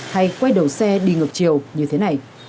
hay quay đầu xe đi ngược chiều như thế này